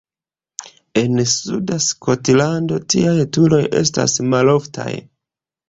En suda Skotlando tiaj turoj estas maloftaj.